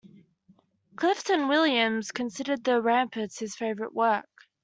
Clifton Williams considered "The Ramparts" his favorite work.